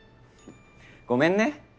ごめんね。